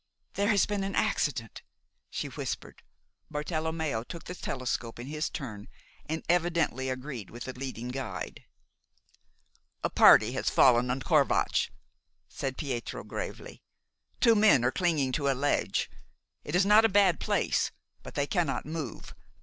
"There has been an accident!" she whispered. Bartelommeo took the telescope in his turn and evidently agreed with the leading guide. "A party has fallen on Corvatsch," said Pietro gravely. "Two men are clinging to a ledge. It is not a bad place; but they cannot move.